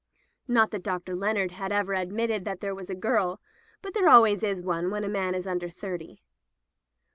Not that Dr. Leonard had ever admitted that there was a girl, but there always is one when a man is under thirty.